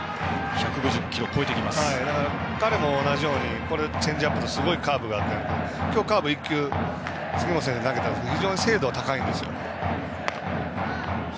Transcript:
彼も同じようにチェンジアップとすごいカーブがあって今日、カーブ１球杉本選手に投げたものが非常に精度が高くて。